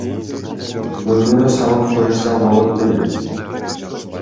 Көпүрө салып коюшса болот беле?